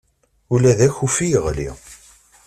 Ula d akufi yeɣli.